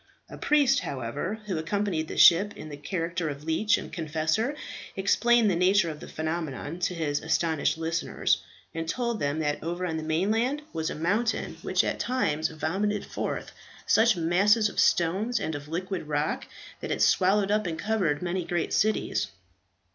A priest, however, who accompanied the ship in the character of leech and confessor, explained the nature of the phenomenon to his astonished listeners, and told them that over on the mainland was a mountain which at times vomited forth such masses of stones and of liquid rock that it had swallowed up and covered many great cities.